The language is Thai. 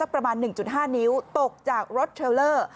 ประมาณ๑๕นิ้วตกจากรถเทรลเลอร์